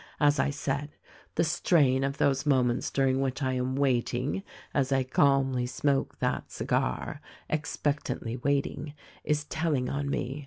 As I said, the strain of those moments during which I am waiting — THE RECORDING AXGEL 205 as I calmly smoke that cigar, expectantly waiting — is tell ing on me.